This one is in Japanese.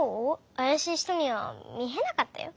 あやしい人にはみえなかったよ。